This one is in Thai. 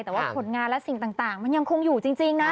แต่ว่าผลงานและสิ่งต่างมันยังคงอยู่จริงนะ